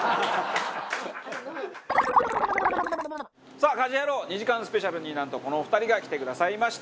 さあ『家事ヤロウ！！！』２時間スペシャルになんとこのお二人が来てくださいました。